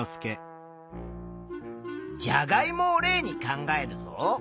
じゃがいもを例に考えるぞ。